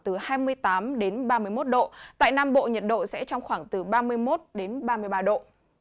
từ hai mươi tám đến ba mươi một độ tại nam bộ nhiệt độ sẽ trong khoảng từ ba mươi một đến ba mươi ba độ